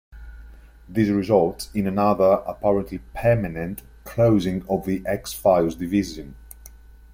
This results in another, apparently permanent, closing of the X-Files division.